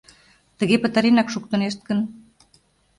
Тыге пытаренак шуктынешт гын?..